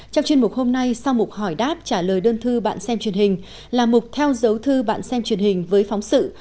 trong chuyên mục hôm nay sau mục hỏi đáp trả lời đơn thư bạn xem truyền hình là mục theo dấu thư bạn xem truyền hình với phóng sự